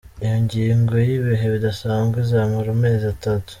Iyo ngingo y'ibihe bidasanzwe izomara amezi atatu.